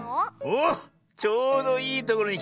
おっちょうどいいところにきた。